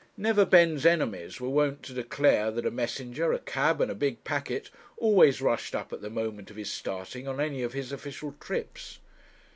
Neverbend's enemies were wont to declare that a messenger, a cab, and a big packet always rushed up at the moment of his starting on any of his official trips.